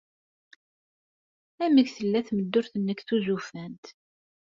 Amek tella tmeddurt-nnek tuzufant?